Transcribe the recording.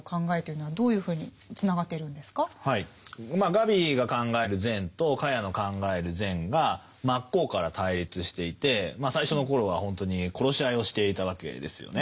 ガビが考える善とカヤの考える善が真っ向から対立していて最初の頃はほんとに殺し合いをしていたわけですよね。